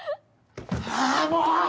あもう！